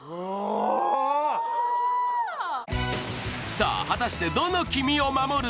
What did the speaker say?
さあ果たしてどの「君を守る！」